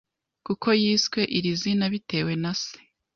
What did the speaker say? kuko yiswe iri zina bitewe nase